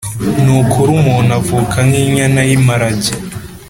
ni ukuri umuntu avuka nk’inyana y’imparage